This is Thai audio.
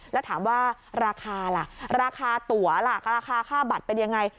แล้วถามว่าราคาล่ะราคาตัวล่ะราคาค่าบัตรเป็นยังไง